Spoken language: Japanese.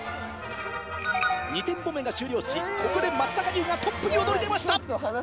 ２店舗目が終了しここで松阪牛がトップに躍り出ました。